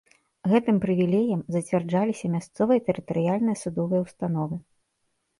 Гэтым прывілеем зацвярджаліся мясцовыя тэрытарыяльныя судовыя установы.